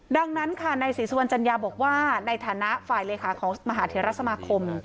ดังนั้นค่ะในศรีสุวรรณจัญญาบอกว่าในฐานะฝ่ายเลขาของมหาเทรสมาคม